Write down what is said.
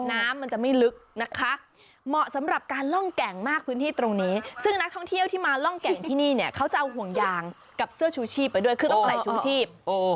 น้ำมันจะไม่ลึกนะคะเหมาะสำหรับการล่องแก่งมากพื้นที่ตรงนี้ซึ่งนักท่องเที่ยวที่มาล่องแก่งที่นี่เนี่ยเขาจะเอาห่วงยางกับเสื้อชูชีพไปด้วยคือต้องใส่ชูชีพ